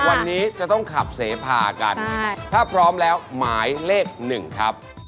วันนี้จะต้องขับเสพากันถ้าพร้อมแล้วหมายเลขหนึ่งครับ